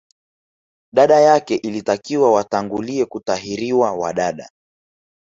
Dada yake ilitakiwa watangulie kutahiriwa wa dada